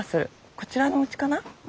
こちらのおうちかな？